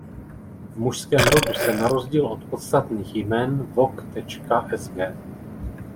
V mužském rodu se na rozdíl od podstatných jmen vok.sg.